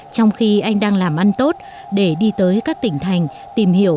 trong khi anh đang làm ăn tốt để đi tới các tỉnh thành tìm hiểu